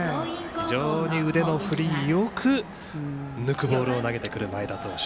非常に腕の振りよく抜くボールを投げてくる前田投手。